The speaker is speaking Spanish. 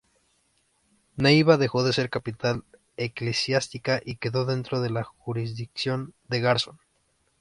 Neiva dejó de ser capital eclesiástica y quedó dentro de la jurisdicción de Garzón.